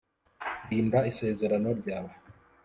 Rinda isezerano ryawe